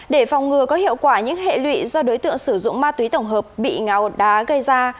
để phòng ngừa có hiệu quả những hệ lụy do đối tượng sử dụng ma túy tổng hợp bị ngào đá gây ra